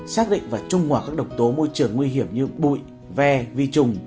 xác định và trung hòa các độc tố môi trường nguy hiểm như bụi ve vi trùng